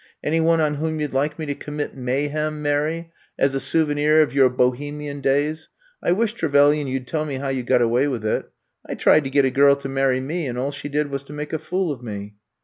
Any one on whom you 'd like me to commit mayhem, Mary, as a souvenir of your Bo hemian days? I wish, Trevelyan, you 'd tell me how you got away with it. I tried to get a girl to marry me and all she did was to make a fool of me."